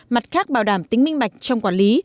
mặt khác bảo đảm tính minh bạch trong quản lý